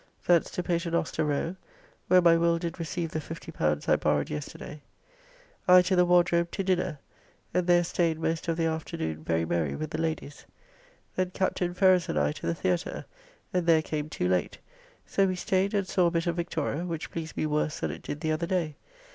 Thence to Paternoster Row, where my Will did receive the L50 I borrowed yesterday. I to the Wardrobe to dinner, and there staid most of the afternoon very merry with the ladies. Then Captain Ferrers and I to the Theatre, and there came too late, so we staid and saw a bit of "Victoria," which pleased me worse than it did the other day.